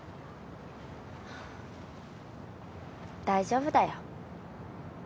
大丈夫だよ。